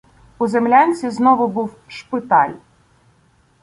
У землянці знову був "шпиталь".